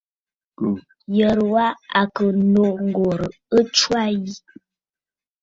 Ǹyərə wa à kɨ̀ nô ŋ̀gòrə̀ ɨ tswâ yi.